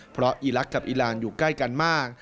เพราะอีลักษณ์กับอีรานอยู่ใกล้กันมาก